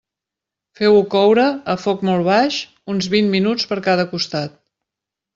Feu-ho coure, a foc molt baix, uns vint minuts per cada costat.